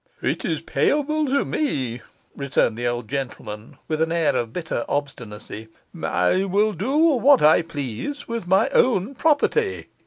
'It is payable to me,' returned the old gentleman, with an air of bitter obstinacy. 'I will do what I please with my own property.